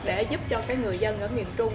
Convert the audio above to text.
để giúp cho cái người dân ở miền trung